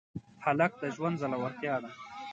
هلک د ژوند زړورتیا ده.